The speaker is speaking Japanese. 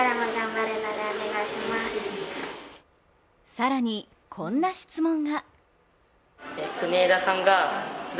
更に、こんな質問が。